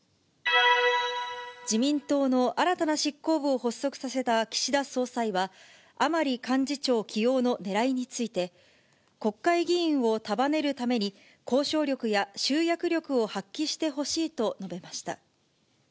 自民党の新たな執行部を発足させた岸田総裁は、甘利幹事長起用のねらいについて、国会議員を束ねるために、交渉力や集約力を発揮してほしいと述べました。